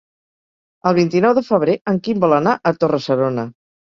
El vint-i-nou de febrer en Quim vol anar a Torre-serona.